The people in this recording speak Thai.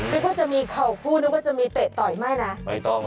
ไม่ก็จะมีเขาพูดไม่ก็จะมีเตะต่อยไม่นะ